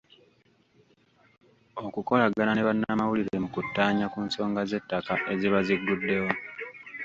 Okukolagana ne bannamawulire mu kuttaanya ku nsonga z’ettaka eziba ziguddewo.